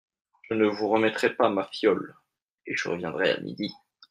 Je ne vous remettrai pas ma fiole… et je reviendrai à midi !